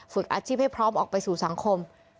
อาชีพให้พร้อมออกไปสู่สังคม